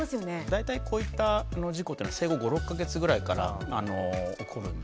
大体こういった事故っていうのは生後５６か月ぐらいから起こるんですね。